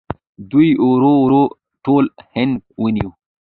دوی ورو ورو ټول هند ونیو.